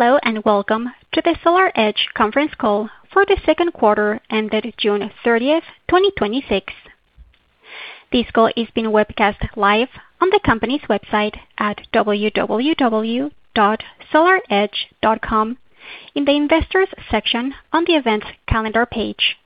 Hello, welcome to the SolarEdge conference call for the second quarter ended June 30th, 2026. This call is being webcast live on the company's website at www.solaredge.com in the Investors section on the Events Calendar page.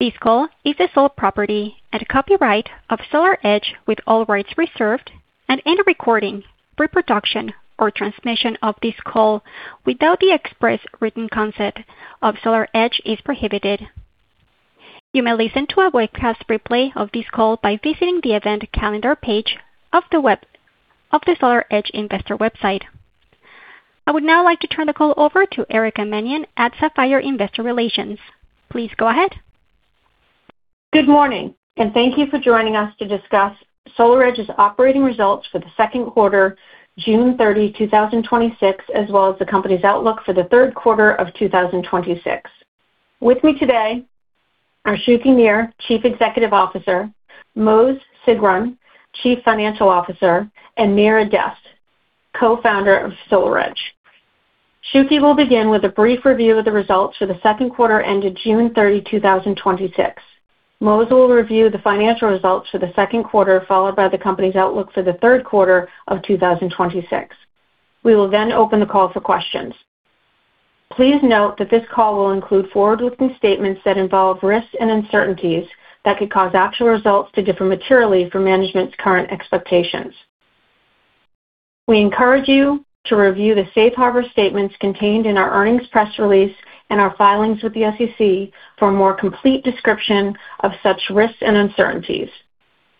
This call is the sole property and copyright of SolarEdge, with all rights reserved. Any recording, reproduction or transmission of this call without the express written consent of SolarEdge is prohibited. You may listen to a webcast replay of this call by visiting the Event Calendar page of the SolarEdge investor website. I would now like to turn the call over to Erica Mannion at Sapphire Investor Relations. Please go ahead. Good morning, thank you for joining us to discuss SolarEdge's operating results for the second quarter, June 30, 2026, as well as the company's outlook for the third quarter of 2026. With me today are Shuki Nir, Chief Executive Officer, Maoz Sigron, Chief Financial Officer, and Meir Adest, Co-Founder of SolarEdge. Shuki will begin with a brief review of the results for the second quarter ended June 30, 2026. Maoz will review the financial results for the second quarter, followed by the company's outlook for the third quarter of 2026. We will then open the call for questions. Please note that this call will include forward-looking statements that involve risks and uncertainties that could cause actual results to differ materially from management's current expectations. We encourage you to review the safe harbor statements contained in our earnings press release and our filings with the SEC for a more complete description of such risks and uncertainties.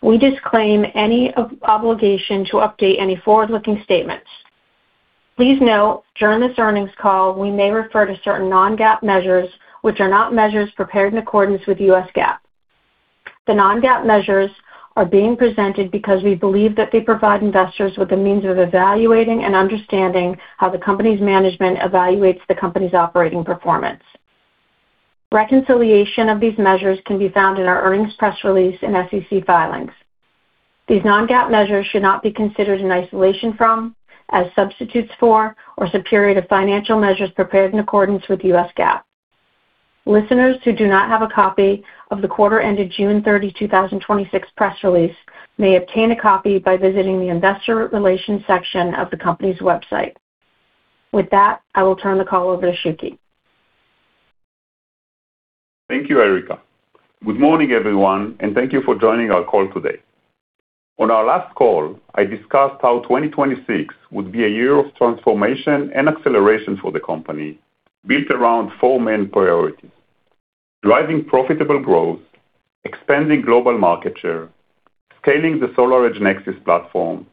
We disclaim any obligation to update any forward-looking statements. Please note, during this earnings call, we may refer to certain non-GAAP measures, which are not measures prepared in accordance with U.S. GAAP. The non-GAAP measures are being presented because we believe that they provide investors with a means of evaluating and understanding how the company's management evaluates the company's operating performance. Reconciliation of these measures can be found in our earnings press release and SEC filings. These non-GAAP measures should not be considered in isolation from, as substitutes for, or superior to financial measures prepared in accordance with U.S. GAAP. Listeners who do not have a copy of the quarter ended June 30, 2026 press release may obtain a copy by visiting the Investor Relations section of the company's website. With that, I will turn the call over to Shuki. Thank you, Erica. Good morning, everyone, and thank you for joining our call today. On our last call, I discussed how 2026 would be a year of transformation and acceleration for the company, built around four main priorities: driving profitable growth, expanding global market share, scaling the SolarEdge Nexis platform,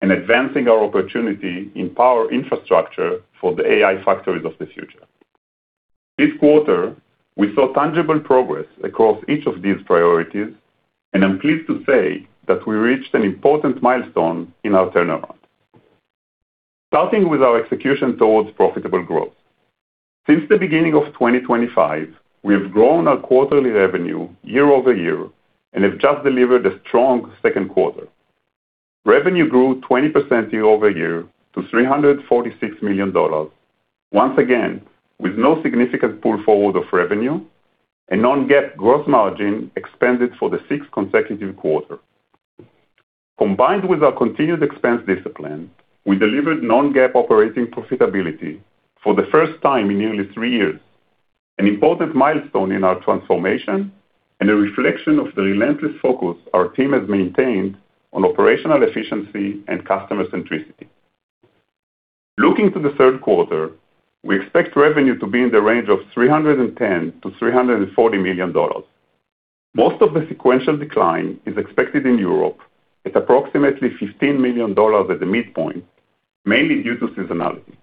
and advancing our opportunity in power infrastructure for the AI factories of the future. This quarter, we saw tangible progress across each of these priorities, and I'm pleased to say that we reached an important milestone in our turnaround. Starting with our execution towards profitable growth. Since the beginning of 2025, we have grown our quarterly revenue year-over-year and have just delivered a strong second quarter. Revenue grew 20% year-over-year to $346 million, once again, with no significant pull forward of revenue and non-GAAP gross margin expanded for the sixth consecutive quarter. Combined with our continued expense discipline, we delivered non-GAAP operating profitability for the first time in nearly three years, an important milestone in our transformation and a reflection of the relentless focus our team has maintained on operational efficiency and customer centricity. Looking to the third quarter, we expect revenue to be in the range of $310 million-$340 million. Most of the sequential decline is expected in Europe at approximately $15 million at the midpoint, mainly due to seasonality.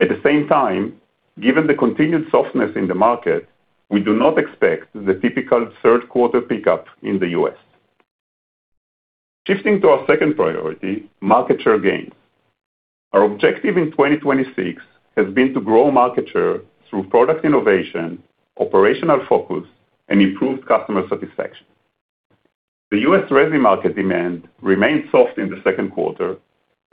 At the same time, given the continued softness in the market, we do not expect the typical third quarter pickup in the U.S. Shifting to our second priority, market share gains. Our objective in 2026 has been to grow market share through product innovation, operational focus, and improved customer satisfaction. The U.S. resi market demand remained soft in the second quarter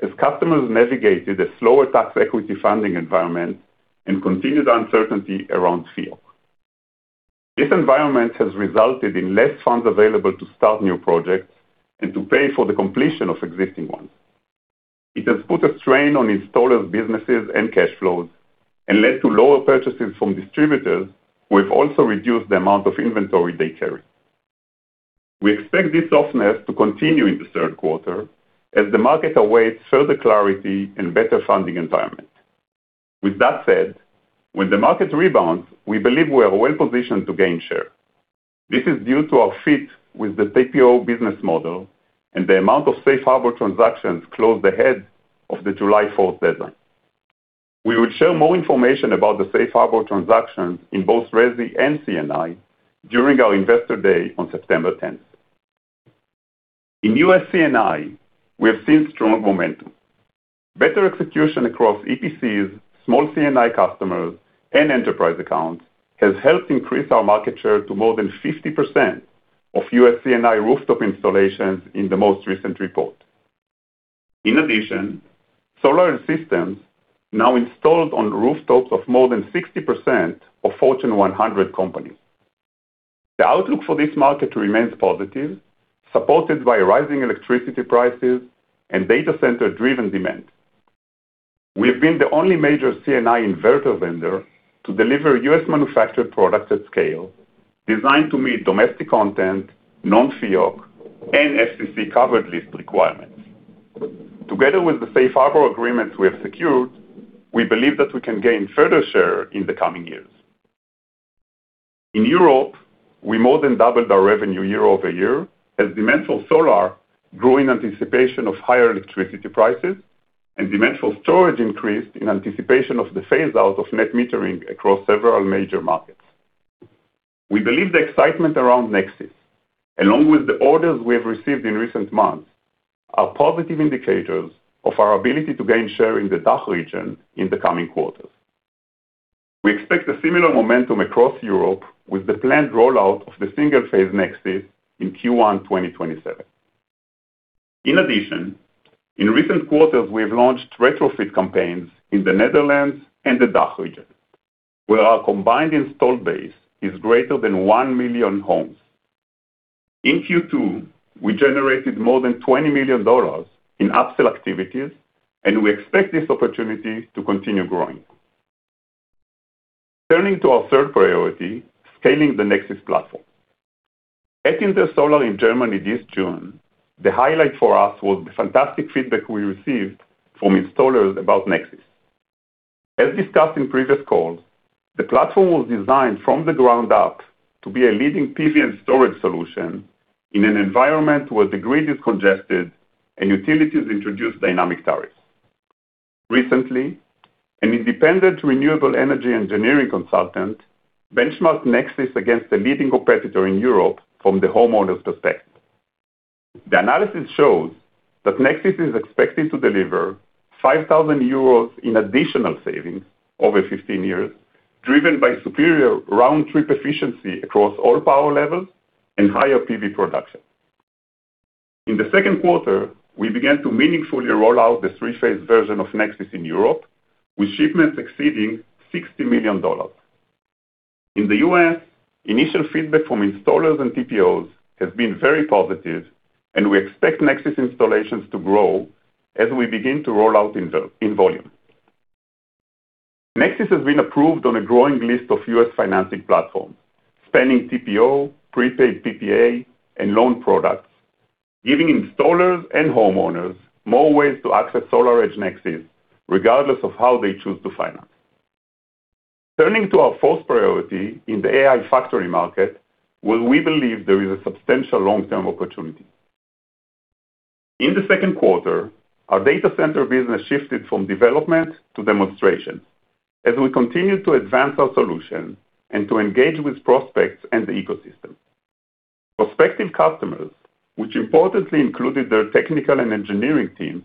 as customers navigated a slower tax equity funding environment and continued uncertainty around FEOC. This environment has resulted in less funds available to start new projects and to pay for the completion of existing ones. It has put a strain on installers' businesses and cash flows and led to lower purchases from distributors, who have also reduced the amount of inventory they carry. We expect this softness to continue in the third quarter as the market awaits further clarity and better funding environment. With that said, when the market rebounds, we believe we are well positioned to gain share. This is due to our fit with the TPO business model and the amount of safe harbor transactions closed ahead of the July 4th deadline. We will share more information about the safe harbor transactions in both resi and C&I during our Investor Day on September 10. In U.S. C&I, we have seen strong momentum. Better execution across EPCs, small C&I customers, and enterprise accounts has helped increase our market share to more than 50% of U.S. C&I rooftop installations in the most recent report. In addition, SolarEdge systems now installed on rooftops of more than 60% of Fortune 100 companies. The outlook for this market remains positive, supported by rising electricity prices and data center-driven demand. We have been the only major C&I inverter vendor to deliver U.S.-manufactured products at scale designed to meet domestic content, non-FEOC, and FCC Covered List requirements. Together with the safe harbor agreements we have secured, we believe that we can gain further share in the coming years. In Europe, we more than doubled our revenue year-over-year as demand for solar grew in anticipation of higher electricity prices, and demand for storage increased in anticipation of the phase-out of net metering across several major markets. We believe the excitement around Nexis, along with the orders we have received in recent months, are positive indicators of our ability to gain share in the DACH region in the coming quarters. We expect a similar momentum across Europe with the planned rollout of the single-phase Nexis in Q1 2027. In addition, in recent quarters, we have launched retrofit campaigns in the Netherlands and the DACH region, where our combined installed base is greater than 1 million homes. In Q2, we generated more than $20 million in upsell activities, and we expect this opportunity to continue growing. Turning to our third priority, scaling the Nexis platform. At Intersolar in Germany this June, the highlight for us was the fantastic feedback we received from installers about Nexis. As discussed in previous calls, the platform was designed from the ground up to be a leading PV and storage solution in an environment where the grid is congested and utilities introduce dynamic tariffs. Recently, an independent renewable energy engineering consultant benchmarked Nexis against a leading competitor in Europe from the homeowner's perspective. The analysis shows that Nexis is expected to deliver 5,000 euros in additional savings over 15 years, driven by superior round-trip efficiency across all power levels and higher PV production. In the second quarter, we began to meaningfully roll out the three-phase version of Nexis in Europe, with shipments exceeding $60 million. In the U.S., initial feedback from installers and TPOs has been very positive, and we expect Nexis installations to grow as we begin to roll out in volume. Nexis has been approved on a growing list of U.S. financing platforms, spanning TPO, prepaid PPA, and loan products, giving installers and homeowners more ways to access SolarEdge Nexis regardless of how they choose to finance. Turning to our fourth priority in the AI factory market, where we believe there is a substantial long-term opportunity. In the second quarter, our data center business shifted from development to demonstration as we continue to advance our solution and to engage with prospects and the ecosystem. Prospective customers, which importantly included their technical and engineering teams,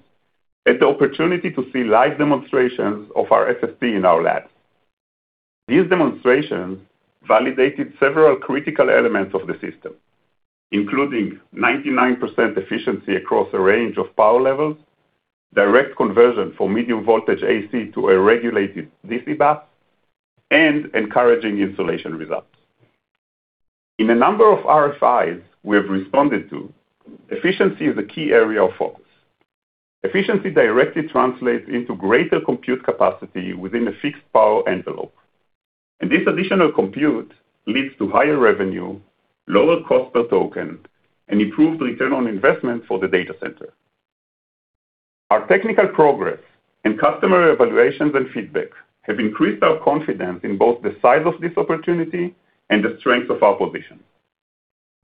had the opportunity to see live demonstrations of our SST in our labs. These demonstrations validated several critical elements of the system, including 99% efficiency across a range of power levels, direct conversion from medium voltage AC to a regulated DC bus, and encouraging installation results. In a number of RFIs we have responded to, efficiency is a key area of focus. Efficiency directly translates into greater compute capacity within a fixed power envelope, and this additional compute leads to higher revenue, lower cost per token, and improved return on investment for the data center. Our technical progress and customer evaluations and feedback have increased our confidence in both the size of this opportunity and the strength of our position.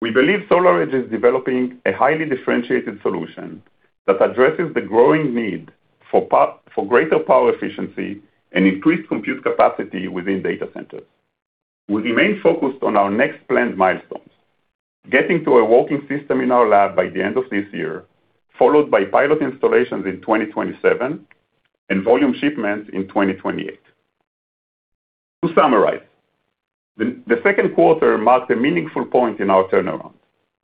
We believe SolarEdge is developing a highly differentiated solution that addresses the growing need for greater power efficiency and increased compute capacity within data centers. We remain focused on our next planned milestones, getting to a working system in our lab by the end of this year, followed by pilot installations in 2027 and volume shipments in 2028. To summarize, the second quarter marked a meaningful point in our turnaround.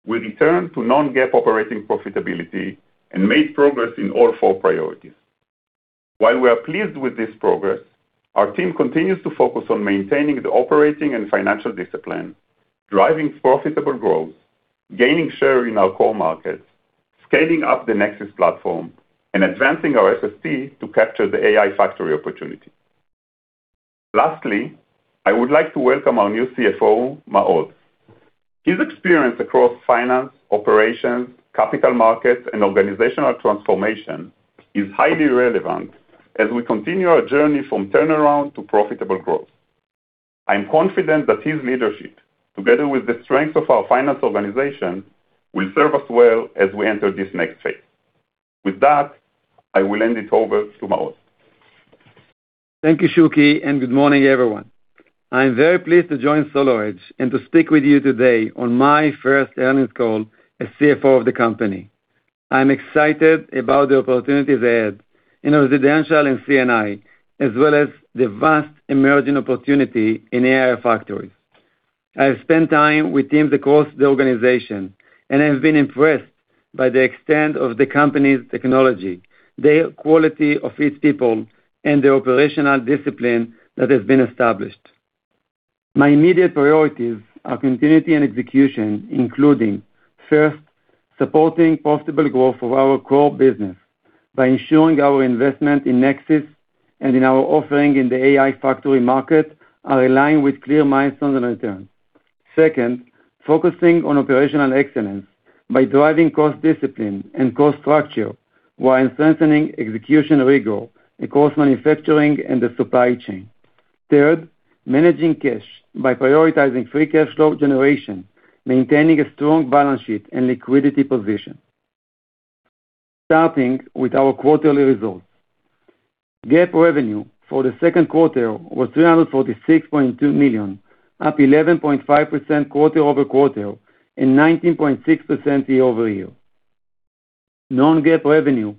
We returned to non-GAAP operating profitability and made progress in all four priorities. While we are pleased with this progress, our team continues to focus on maintaining the operating and financial discipline, driving profitable growth, gaining share in our core markets, scaling up the Nexis platform, and advancing our SST to capture the AI factory opportunity. Lastly, I would like to welcome our new CFO, Maoz. His experience across finance, operations, capital markets, and organizational transformation is highly relevant as we continue our journey from turnaround to profitable growth. I am confident that his leadership, together with the strength of our finance organization, will serve us well as we enter this next phase. With that, I will hand it over to Maoz. Thank you, Shuki, and good morning, everyone. I am very pleased to join SolarEdge and to speak with you today on my first earnings call as CFO of the company. I'm excited about the opportunities ahead in residential and C&I, as well as the vast emerging opportunity in AI factories. I have spent time with teams across the organization, and I've been impressed by the extent of the company's technology, the quality of its people, and the operational discipline that has been established. My immediate priorities are continuity and execution, including, first, supporting profitable growth of our core business by ensuring our investment in Nexis and in our offering in the AI factory market are aligned with clear milestones and returns. Second, focusing on operational excellence by driving cost discipline and cost structure while strengthening execution rigor across manufacturing and the supply chain. Third, managing cash by prioritizing free cash flow generation, maintaining a strong balance sheet and liquidity position. Starting with our quarterly results. GAAP revenue for the second quarter was $346.2 million, up 11.5% quarter-over-quarter and 19.6% year-over-year. Non-GAAP revenue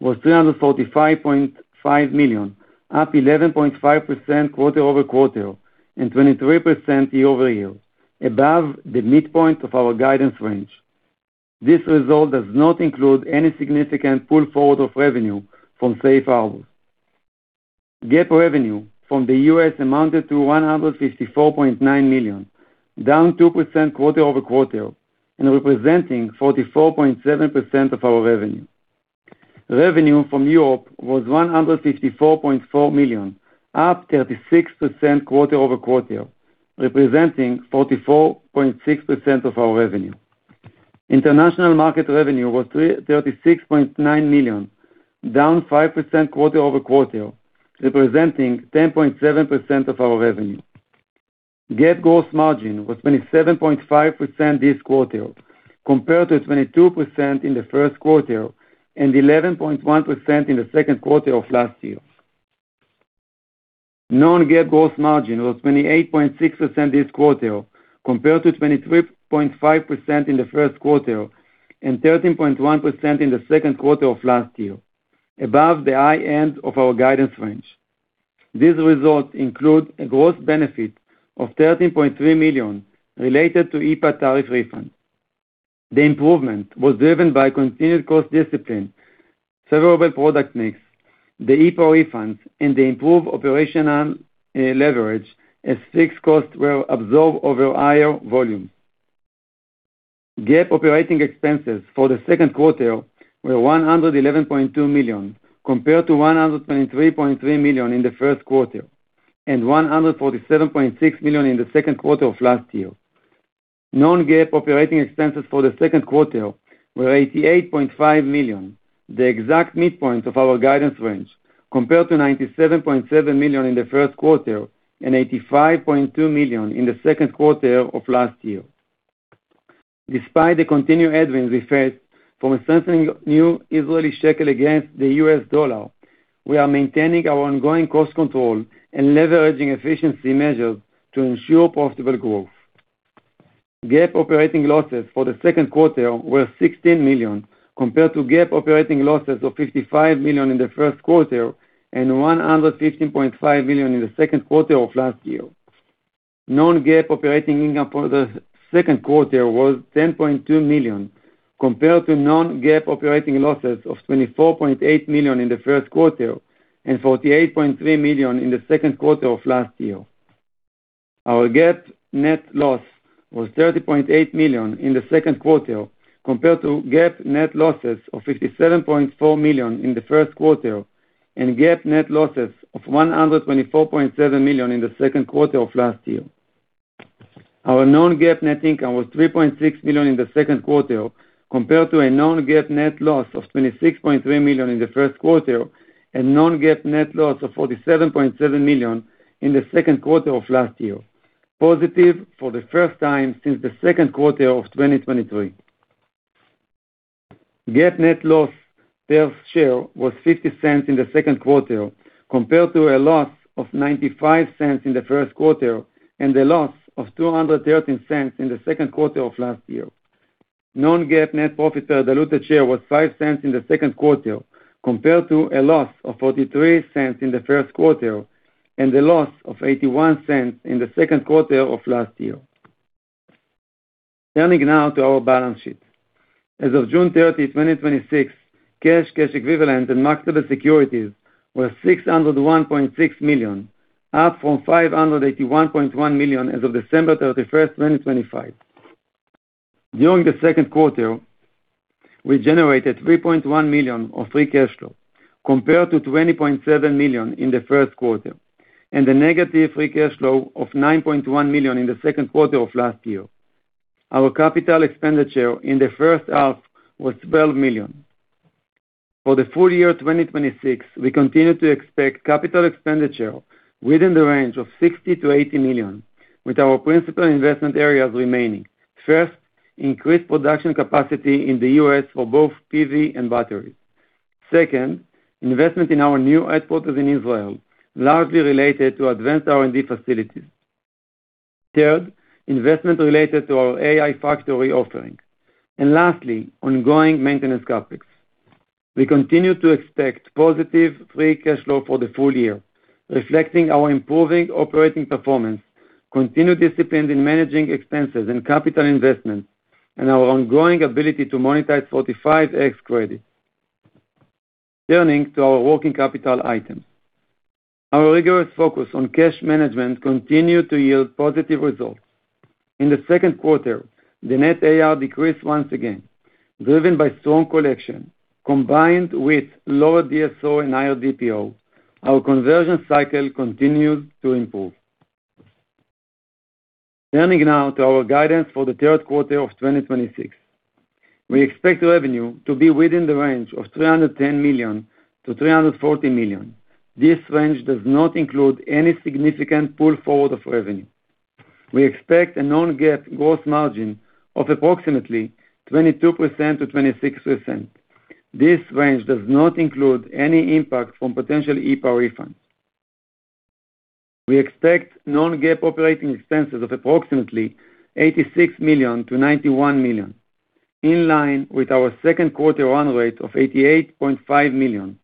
was $345.5 million, up 11.5% quarter-over-quarter and 23% year-over-year, above the midpoint of our guidance range. This result does not include any significant pull forward of revenue from safe harbor. GAAP revenue from the U.S. amounted to $154.9 million, down 2% quarter-over-quarter, and representing 44.7% of our revenue. Revenue from Europe was $154.4 million, up 36% quarter-over-quarter, representing 44.6% of our revenue. International market revenue was $36.9 million, down 5% quarter-over-quarter, representing 10.7% of our revenue. GAAP gross margin was 27.5% this quarter, compared to 22% in the first quarter and 11.1% in the second quarter of last year. Non-GAAP gross margin was 28.6% this quarter, compared to 23.5% in the first quarter and 13.1% in the second quarter of last year, above the high end of our guidance range. These results include a gross benefit of $13.3 million related to IEEPA tariff refunds. The improvement was driven by continued cost discipline, favorable product mix, the IEEPA refunds, and the improved operational leverage as fixed costs were absorbed over higher volume. GAAP operating expenses for the second quarter were $111.2 million, compared to $123.3 million in the first quarter and $147.6 million in the second quarter of last year. Non-GAAP operating expenses for the second quarter were $88.5 million, the exact midpoint of our guidance range, compared to $97.7 million in the first quarter and $85.2 million in the second quarter of last year. Despite the continued headwinds we face from a strengthening new Israeli shekel against the U.S. dollar, we are maintaining our ongoing cost control and leveraging efficiency measures to ensure profitable growth. GAAP operating losses for the second quarter were $16 million, compared to GAAP operating losses of $55 million in the first quarter and $115.5 million in the second quarter of last year. Non-GAAP operating income for the second quarter was $10.2 million, compared to non-GAAP operating losses of $24.8 million in the first quarter and $48.3 million in the second quarter of last year. Our GAAP net loss was $30.8 million in the second quarter compared to GAAP net losses of $57.4 million in the first quarter, and GAAP net losses of $124.7 million in the second quarter of last year. Our non-GAAP net income was $3.6 million in the second quarter, compared to a non-GAAP net loss of $26.3 million in the first quarter, and non-GAAP net loss of $47.7 million in the second quarter of last year, positive for the first time since the second quarter of 2023. GAAP net loss per share was $0.50 in the second quarter, compared to a loss of $0.95 in the first quarter, and a loss of $2.13 in the second quarter of last year. Non-GAAP net profit per diluted share was $0.05 in the second quarter, compared to a loss of $0.43 in the first quarter, and a loss of $0.81 in the second quarter of last year. Turning now to our balance sheet. As of June 30th, 2026, cash equivalent, and marketable securities were $601.6 million, up from $581.1 million as of December 31st, 2025. During the second quarter, we generated $3.1 million of free cash flow, compared to $20.7 million in the first quarter, and a negative free cash flow of $9.1 million in the second quarter of last year. Our capital expenditure in the first half was $12 million. For the full year 2026, we continue to expect capital expenditure within the range of $60 million-$80 million with our principal investment areas remaining. First, increased production capacity in the U.S. for both PV and batteries. Second, investment in our new headquarters in Israel, largely related to advanced R&D facilities. Third, investment related to our AI factory offering. Lastly, ongoing maintenance CapEx. We continue to expect positive free cash flow for the full year, reflecting our improving operating performance, continued discipline in managing expenses and capital investments, and our ongoing ability to monetize 45X credits. Turning to our working capital items. Our rigorous focus on cash management continued to yield positive results. In the second quarter, the net AR decreased once again, driven by strong collection, combined with lower DSO and higher DPO. Our conversion cycle continued to improve. Turning now to our guidance for the third quarter of 2026. We expect revenue to be within the range of $310 million-$340 million. This range does not include any significant pull forward of revenue. We expect a non-GAAP gross margin of approximately 22%-26%. This range does not include any impact from potential IEEPA refunds. We expect non-GAAP operating expenses of approximately $86 million-$91 million, in line with our second quarter run rate of $88.5 million,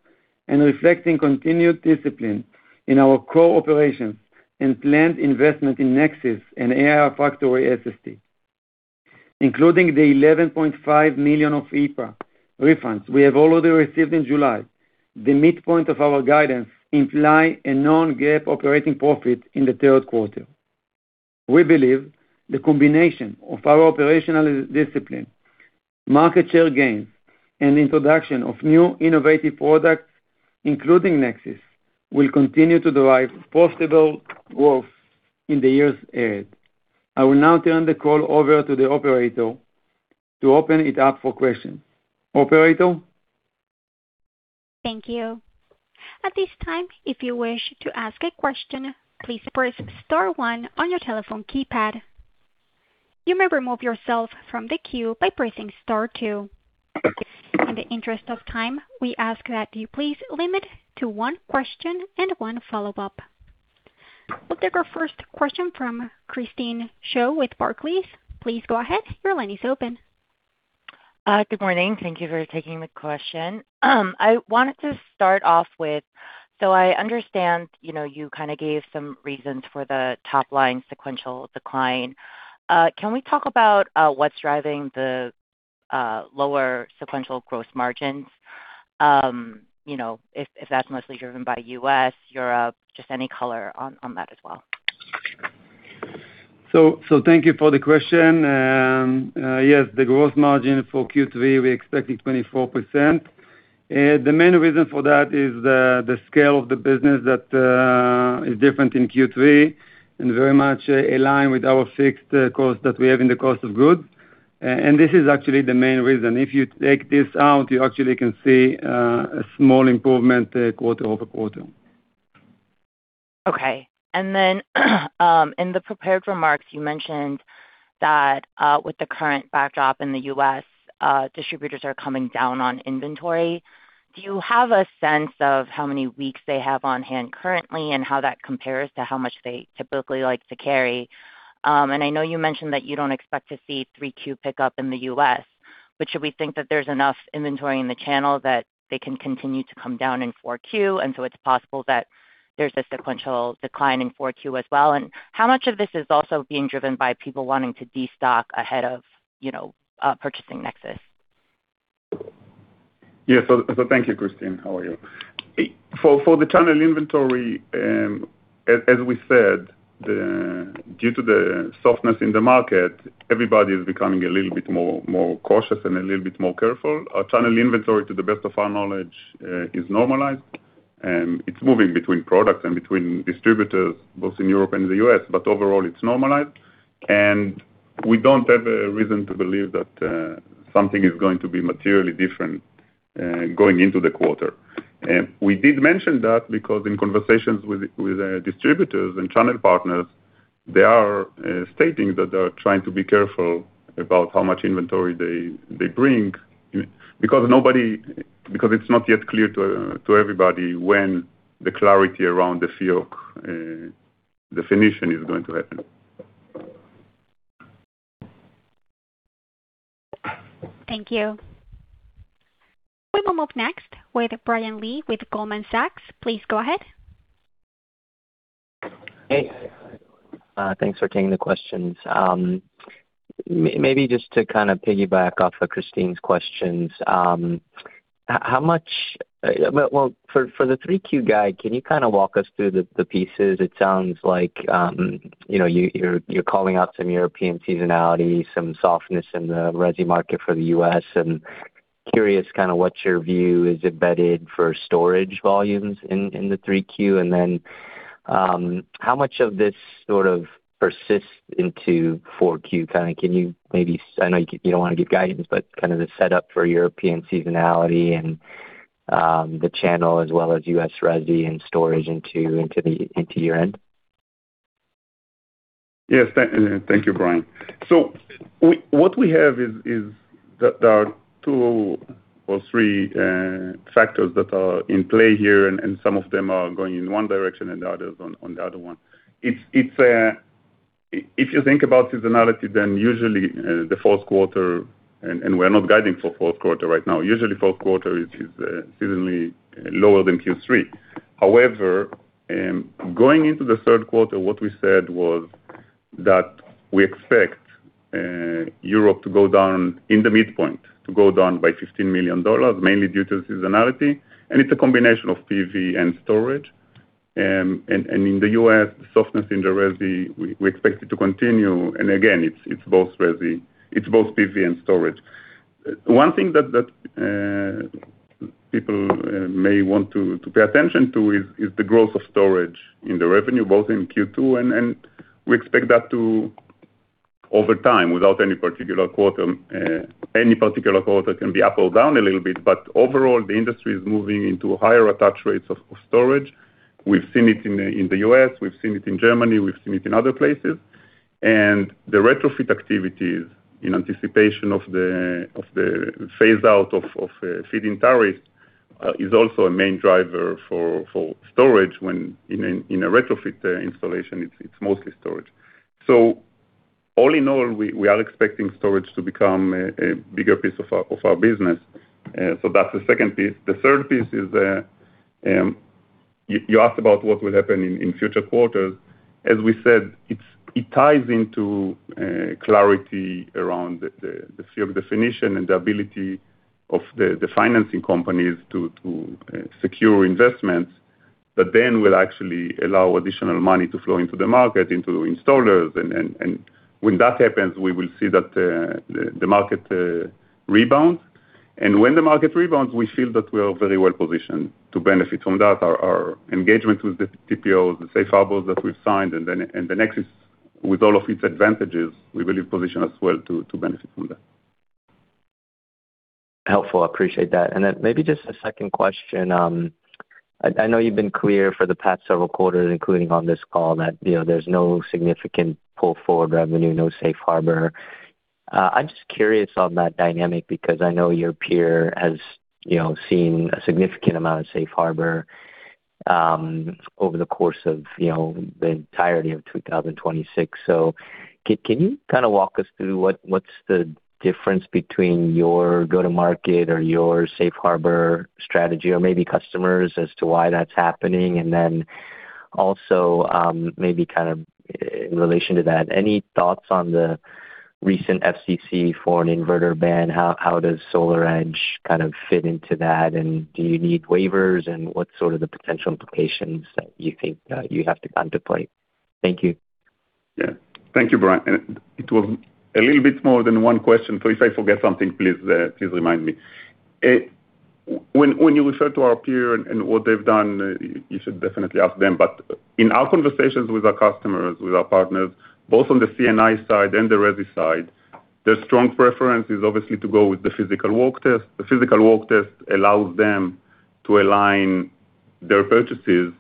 reflecting continued discipline in our core operations and planned investment in Nexis and AI Factory SST. Including the $11.5 million of IEEPA refunds we have already received in July, the midpoint of our guidance imply a non-GAAP operating profit in the third quarter. We believe the combination of our operational discipline, market share gains, and introduction of new innovative products, including Nexis, will continue to drive profitable growth in the years ahead. I will now turn the call over to the operator to open it up for questions. Operator? Thank you. At this time, if you wish to ask a question, please press star one on your telephone keypad. You may remove yourself from the queue by pressing star two. In the interest of time, we ask that you please limit to one question and one follow-up. We'll take our first question from Christine Cho with Barclays. Please go ahead. Your line is open. Good morning. Thank you for taking the question. I wanted to start off with, I understand, you gave some reasons for the top-line sequential decline. Can we talk about what's driving the lower sequential gross margins? If that's mostly driven by U.S., Europe, just any color on that as well. Thank you for the question. Yes, the gross margin for Q3, we expected 24%. The main reason for that is the scale of the business that is different in Q3 and very much aligned with our fixed cost that we have in the cost of goods. This is actually the main reason. If you take this out, you actually can see a small improvement quarter-over-quarter. Okay. In the prepared remarks, you mentioned that with the current backdrop in the U.S., distributors are coming down on inventory. Do you have a sense of how many weeks they have on hand currently, and how that compares to how much they typically like to carry? I know you mentioned that you don't expect to see 3Q pickup in the U.S., but should we think that there's enough inventory in the channel that they can continue to come down in 4Q, and so it's possible that there's a sequential decline in 4Q as well? How much of this is also being driven by people wanting to de-stock ahead of purchasing Nexis? Thank you, Christine. How are you? For the channel inventory, as we said, due to the softness in the market, everybody is becoming a little bit more cautious and a little bit more careful. Our channel inventory, to the best of our knowledge, is normalized. It's moving between products and between distributors, both in Europe and the U.S., but overall it's normalized. We don't have a reason to believe that something is going to be materially different going into the quarter. We did mention that because in conversations with distributors and channel partners, they are stating that they are trying to be careful about how much inventory they bring, because it's not yet clear to everybody when the clarity around the FEOC definition is going to happen. Thank you. We will move next with Brian Lee with Goldman Sachs. Please go ahead. Hey. Thanks for taking the questions. Maybe just to kind of piggyback off of Christine's questions, for the 3Q guide, can you kind of walk us through the pieces? It sounds like you're calling out some European seasonality, some softness in the resi market for the U.S., and curious kind of what your view is embedded for storage volumes in the 3Q. How much of this sort of persists into 4Q? I know you don't want to give guidance, kind of the setup for European seasonality and the channel as well as U.S. resi and storage into year-end. Yes. Thank you, Brian. There are two or three factors that are in play here, some of them are going in one direction and the others on the other one. If you think about seasonality, usually, the fourth quarter, we're not guiding for fourth quarter right now. Usually fourth quarter is seasonally lower than Q3. However, going into the third quarter, what we said was that we expect Europe to go down in the midpoint, to go down by $15 million, mainly due to seasonality, and it's a combination of PV and storage. In the U.S., softness in the resi, we expect it to continue, and again, it's both PV and storage. One thing that people may want to pay attention to is the growth of storage in the revenue, both in Q2, we expect that to, over time, without any particular quarter. Any particular quarter can be up or down a little bit, overall, the industry is moving into higher attach rates of storage. We've seen it in the U.S., we've seen it in Germany, we've seen it in other places. The retrofit activities in anticipation of the phase-out of feed-in tariffs, is also a main driver for storage when, in a retrofit installation, it's mostly storage. All in all, we are expecting storage to become a bigger piece of our business. That's the second piece. The third piece is, you asked about what will happen in future quarters. As we said, it ties into clarity around the definition and the ability of the financing companies to secure investments, will actually allow additional money to flow into the market, into installers. When that happens, we will see that the market rebounds. When the market rebounds, we feel that we are very well-positioned to benefit from that. Our engagement with the TPOs, the safe harbors that we've signed, and the Nexis, with all of its advantages, we believe position us well to benefit from that. Helpful. I appreciate that. Maybe just a second question. I know you've been clear for the past several quarters, including on this call, that there's no significant pull-forward revenue, no safe harbor. I'm just curious on that dynamic because I know your peer has seen a significant amount of safe harbor over the course of the entirety of 2026. Can you kind of walk us through what's the difference between your go-to-market or your safe harbor strategy or maybe customers as to why that's happening? Also, maybe kind of in relation to that, any thoughts on the recent FCC foreign inverter ban, how does SolarEdge kind of fit into that? Do you need waivers? What's sort of the potential implications that you think that you have to contemplate? Thank you. Thank you, Brian. It was a little bit more than one question, so if I forget something, please remind me. When you refer to our peer and what they've done, you should definitely ask them. In our conversations with our customers, with our partners, both on the C&I side and the resi side, their strong preference is obviously to go with the physical work test. The physical work test allows them to align their purchases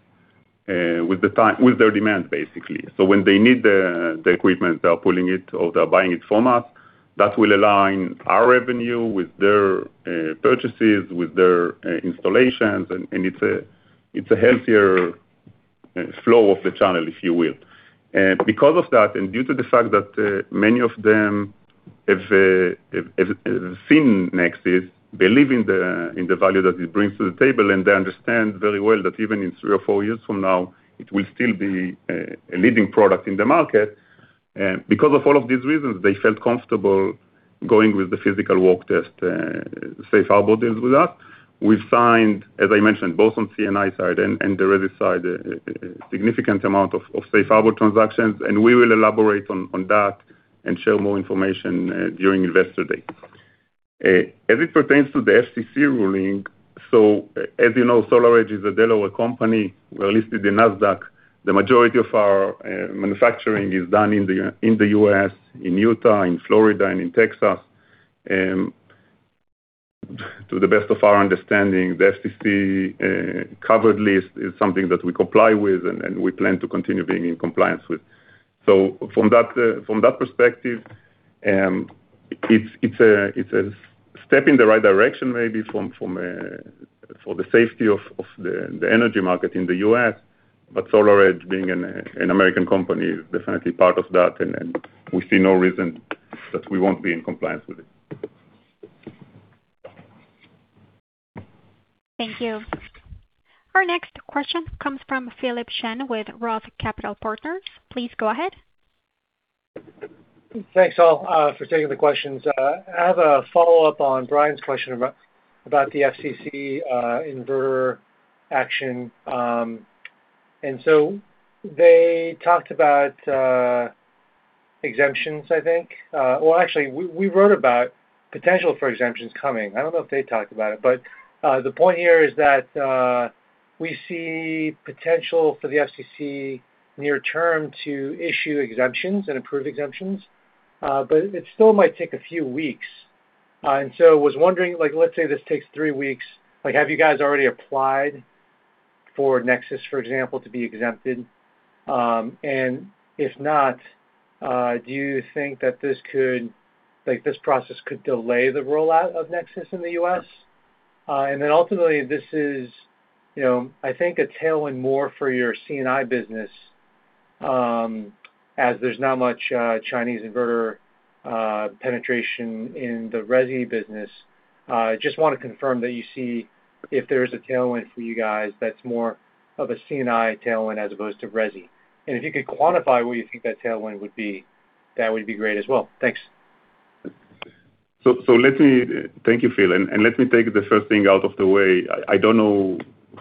with their demand, basically. When they need the equipment, they are pulling it or they're buying it from us. That will align our revenue with their purchases, with their installations, and it's a healthier flow of the channel, if you will. Because of that, due to the fact that many of them have seen Nexis, believe in the value that it brings to the table, and they understand very well that even in three or four years from now, it will still be a leading product in the market. Because of all of these reasons, they felt comfortable going with the physical work test, safe harbor deals with that. We've signed, as I mentioned, both on C&I side and the resi side, a significant amount of safe harbor transactions, and we will elaborate on that and share more information during Investor Day. As it pertains to the FCC ruling, as you know, SolarEdge is a Delaware company. We're listed in Nasdaq. The majority of our manufacturing is done in the U.S., in Utah, in Florida, and in Texas. To the best of our understanding, the FCC Covered List is something that we comply with and we plan to continue being in compliance with. From that perspective, it's a step in the right direction, maybe, for the safety of the energy market in the U.S. SolarEdge, being an American company, is definitely part of that, and we see no reason that we won't be in compliance with it. Thank you. Our next question comes from Philip Shen with Roth Capital Partners. Please go ahead. Thanks, all, for taking the questions. I have a follow-up on Brian's question about the FCC inverter action. They talked about exemptions, I think. Well, actually, we wrote about potential for exemptions coming. I don't know if they talked about it, the point here is that we see potential for the FCC near term to issue exemptions and approve exemptions. It still might take a few weeks. I was wondering, let's say this takes three weeks, have you guys already applied? For Nexis, for example, to be exempted. If not, do you think that this process could delay the rollout of Nexis in the U.S.? Ultimately, this is, I think, a tailwind more for your C&I business, as there's not much Chinese inverter penetration in the resi business. Just want to confirm that you see if there is a tailwind for you guys that's more of a C&I tailwind as opposed to resi. If you could quantify what you think that tailwind would be, that would be great as well. Thanks. So let me. Thank you, Phil. Let me take the first thing out of the way. I don't know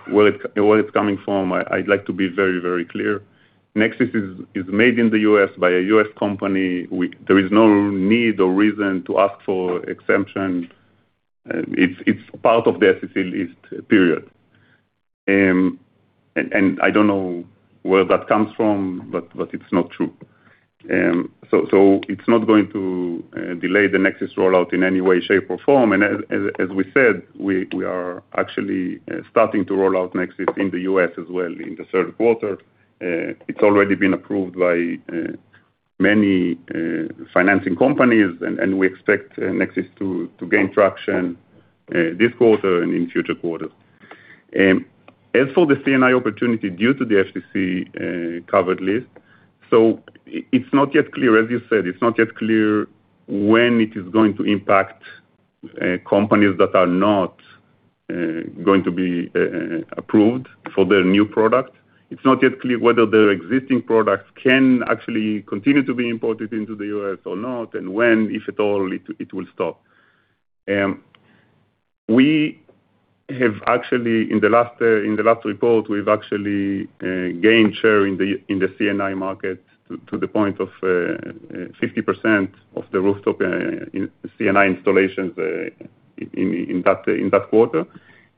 where it's coming from. I'd like to be very, very clear. Nexis is made in the U.S. by a U.S. company. There is no need or reason to ask for exemption. It's part of the FCC list, period. I don't know where that comes from, but it's not true. It's not going to delay the Nexis rollout in any way, shape, or form. As we said, we are actually starting to roll out Nexis in the U.S. as well in the third quarter. It's already been approved by many financing companies, and we expect Nexis to gain traction this quarter and in future quarters. As for the C&I opportunity due to the FCC Covered List, it's not yet clear, as you said, it's not yet clear when it is going to impact companies that are not going to be approved for their new product. It's not yet clear whether their existing products can actually continue to be imported into the U.S. or not, and when, if at all, it will stop. In the last report, we've actually gained share in the C&I market to the point of 50% of the rooftop C&I installations in that quarter.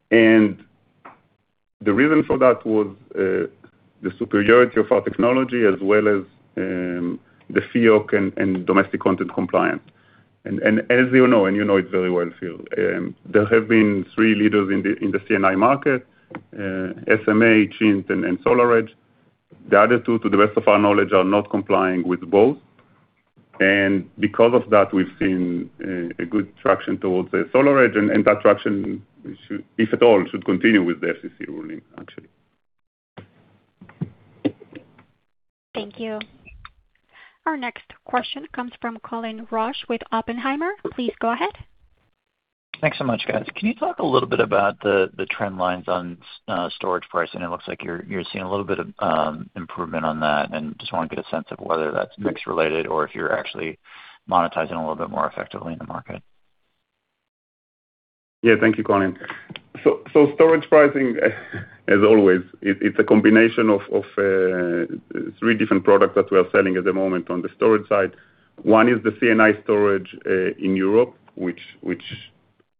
The reason for that was the superiority of our technology as well as the FEOC and domestic content compliance. As you know, and you know it very well, Phil, there have been three leaders in the C&I market, SMA, Chint, and SolarEdge. The other two, to the best of our knowledge, are not complying with both. Because of that, we've seen a good traction towards SolarEdge, and that traction, if at all, should continue with the FCC ruling, actually. Thank you. Our next question comes from Colin Rusch with Oppenheimer. Please go ahead. Thanks so much, guys. Can you talk a little bit about the trend lines on storage pricing? It looks like you're seeing a little bit of improvement on that, and just want to get a sense of whether that's mix related or if you're actually monetizing a little bit more effectively in the market. Thank you, Colin. Storage pricing, as always, it's a combination of three different products that we are selling at the moment on the storage side. One is the C&I storage in Europe, which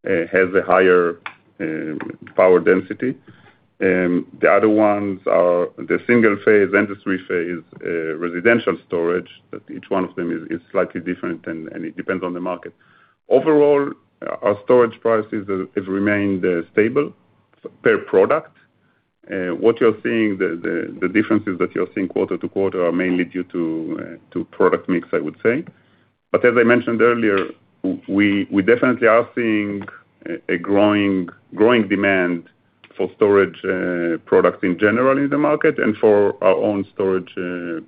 has a higher power density. The other ones are the single-phase and the three-phase residential storage. Each one of them is slightly different, and it depends on the market. Overall, our storage prices have remained stable per product. The differences that you're seeing quarter-to-quarter are mainly due to product mix, I would say. As I mentioned earlier, we definitely are seeing a growing demand for storage products in general in the market and for our own storage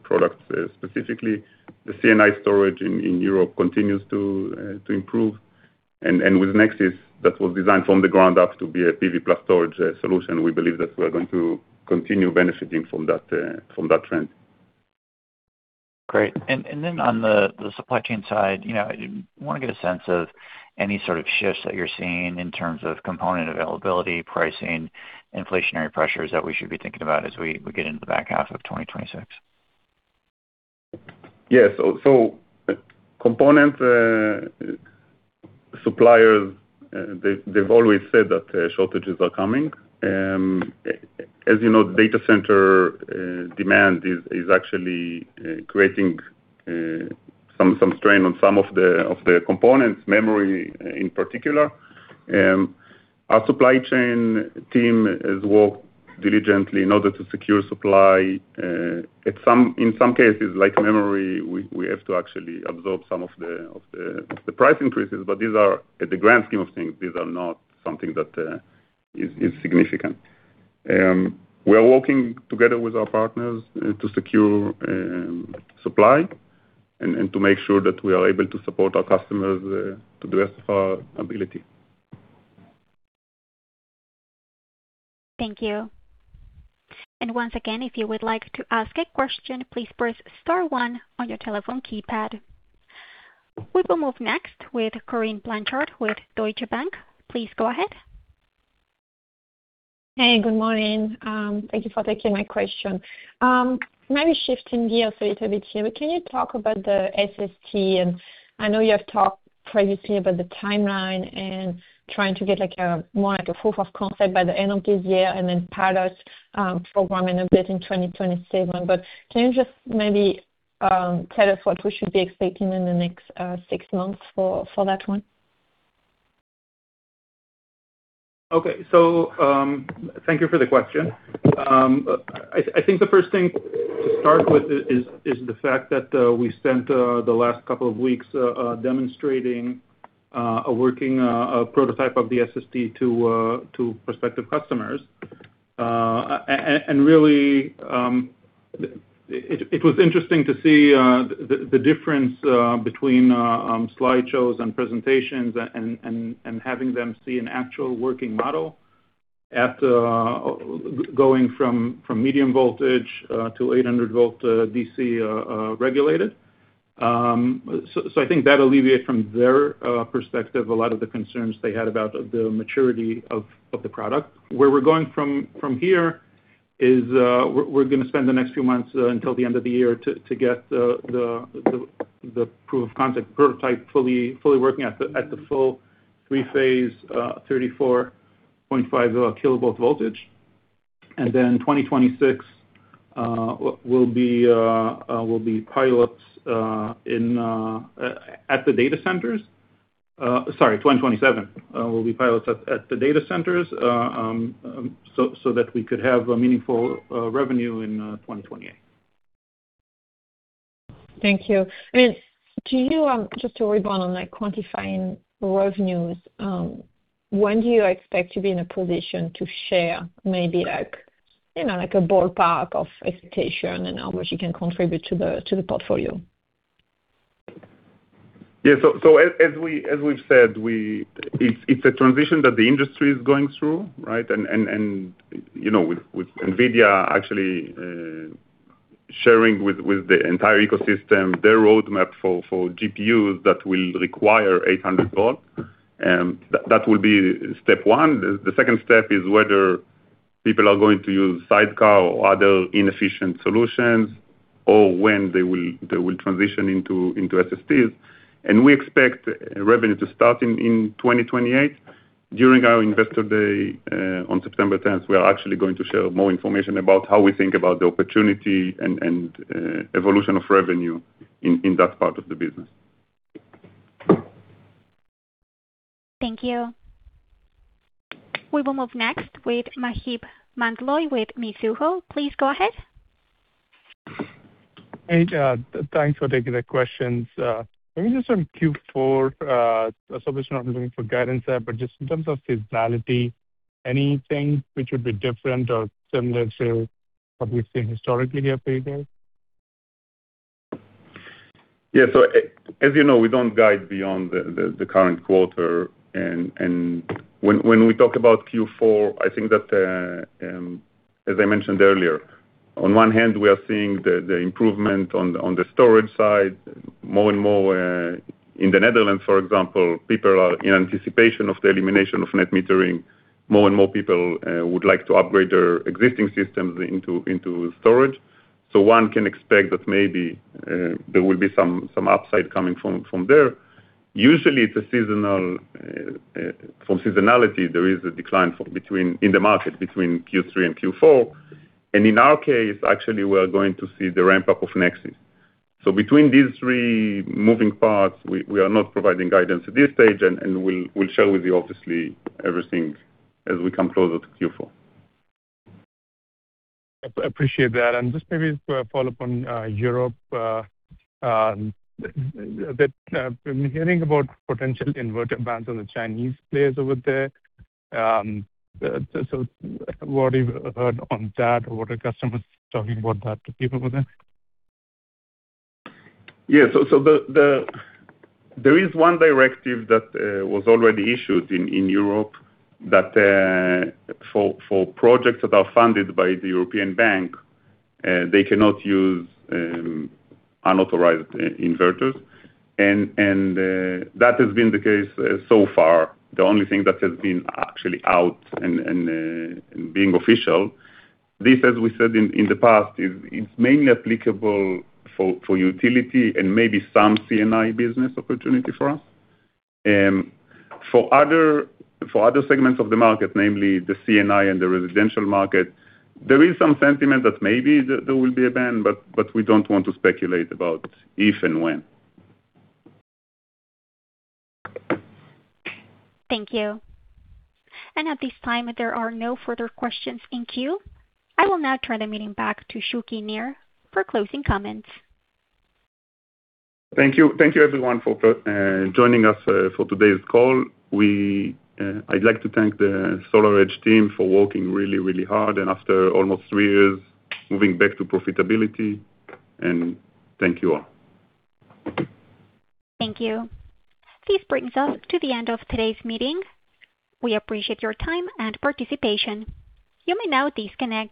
products specifically. The C&I storage in Europe continues to improve. With Nexis, that was designed from the ground up to be a PV plus storage solution. We believe that we are going to continue benefiting from that trend. Great. Then on the supply chain side, I want to get a sense of any sort of shifts that you're seeing in terms of component availability, pricing, inflationary pressures that we should be thinking about as we get into the back half of 2026. Yes. Component suppliers, they've always said that shortages are coming. As you know, data center demand is actually creating some strain on some of the components, memory in particular. Our supply chain team has worked diligently in order to secure supply. In some cases, like memory, we have to actually absorb some of the price increases, but at the grand scheme of things, these are not something that is significant. We are working together with our partners to secure supply and to make sure that we are able to support our customers to the best of our ability. Thank you. Once again, if you would like to ask a question, please press star one on your telephone keypad. We will move next with Corinne Blanchard with Deutsche Bank. Please go ahead. Hey, good morning. Thank you for taking my question. Maybe shifting gears a little bit here, can you talk about the SST? I know you have talked previously about the timeline and trying to get more like a proof of concept by the end of this year and then pilot programing a bit in 2027. Can you just maybe tell us what we should be expecting in the next six months for that one? Okay. Thank you for the question. I think the first thing to start with is the fact that we spent the last couple of weeks demonstrating a working prototype of the SST to prospective customers. Really, it was interesting to see the difference between slideshows and presentations and having them see an actual working model after going from medium voltage to 800 V DC regulated. I think that alleviate from their perspective a lot of the concerns they had about the maturity of the product. Where we're going from here is, we're going to spend the next few months until the end of the year to get the proof of concept prototype fully working at the full three-phase 34.5 kV voltage. Then 2026 will be pilots at the data centers. Sorry, 2027 will be pilots at the data centers so that we could have a meaningful revenue in 2028. Thank you. Just to rebound on quantifying revenues, when do you expect to be in a position to share maybe a ballpark of expectation and how much you can contribute to the portfolio? Yeah. As we've said, it's a transition that the industry is going through, right? With NVIDIA actually sharing with the entire ecosystem their roadmap for GPUs that will require 800 V, that will be step one. The second step is whether people are going to use sidecar or other inefficient solutions or when they will transition into SSTs. We expect revenue to start in 2028. During our Investor Day on September 10th, we are actually going to share more information about how we think about the opportunity and evolution of revenue in that part of the business. Thank you. We will move next with Maheep Mandloi with Mizuho. Please go ahead. Hey, thanks for taking the questions. Maybe just on Q4, obviously not looking for guidance there, but just in terms of seasonality, anything which would be different or similar to what we've seen historically here, PVDAQ? Yeah. As you know, we don't guide beyond the current quarter. When we talk about Q4, I think that, as I mentioned earlier, on one hand, we are seeing the improvement on the storage side more and more. In the Netherlands, for example, people are in anticipation of the elimination of net metering. More and more people would like to upgrade their existing systems into storage. One can expect that maybe there will be some upside coming from there. Usually, from seasonality, there is a decline in the market between Q3 and Q4. In our case, actually, we are going to see the ramp-up of Nexis. Between these three moving parts, we are not providing guidance at this stage, and we'll share with you obviously everything as we come closer to Q4. I appreciate that. Just maybe to follow up on Europe, I'm hearing about potential inverter bans on the Chinese players over there. What have you heard on that? What are customers talking about that people with that? Yeah. There is one directive that was already issued in Europe that for projects that are funded by the European Bank they cannot use unauthorized inverters. That has been the case so far. The only thing that has been actually out and being official. This, as we said in the past, it's mainly applicable for utility and maybe some C&I business opportunity for us. For other segments of the market, namely the C&I and the residential market, there is some sentiment that maybe there will be a ban, but we don't want to speculate about if and when. Thank you. At this time, there are no further questions in queue. I will now turn the meeting back to Shuki Nir for closing comments. Thank you, everyone, for joining us for today's call. I'd like to thank the SolarEdge team for working really, really hard and after almost three years, moving back to profitability. Thank you all. Thank you. This brings us to the end of today's meeting. We appreciate your time and participation. You may now disconnect.